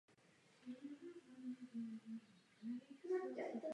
V okolí leží mnoho dalších arabských obcí včetně velkých měst v aglomeraci Nazaretu.